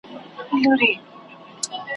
یوه بل ته په خوږه ژبه ګویان سول ,